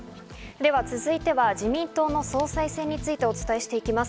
では続いては、自民党の総裁選についてお伝えしていきます。